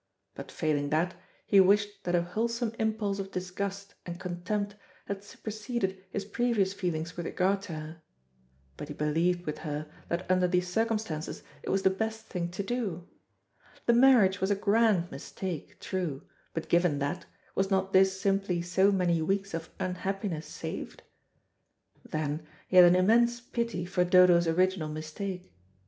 But failing that, he wished that a wholesome impulse of disgust and contempt had superseded his previous feelings with regard to her. But he believed with her that under the circumstances it was the best thing to do. The marriage was a grand mistake, true, but given that, was not this simply so many weeks of unhappiness saved? Then he had an immense pity for Dodo's original mistake.